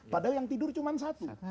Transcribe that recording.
padahal yang tidur cuma satu